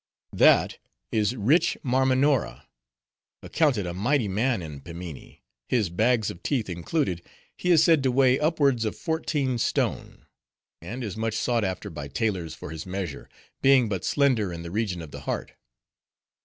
"That is rich Marmonora, accounted a mighty man in Pimminee; his bags of teeth included, he is said to weigh upwards of fourteen stone; and is much sought after by tailors for his measure, being but slender in the region of the heart.